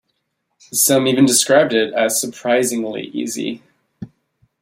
Some even described it as surprisingly easy.